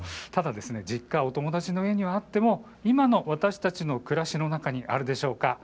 ただ実家、お友達の家にはあっても今の私たちの暮らしの中にあるでしょうか。